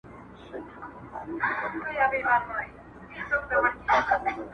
• د جاهل ژبه به ولي لکه توره چلېدلای -